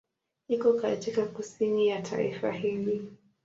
Iko katika kusini ya taifa hili.